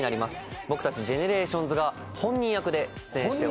僕たちＧＥＮＥＲＡＴＩＯＮＳが本人役で出演しております。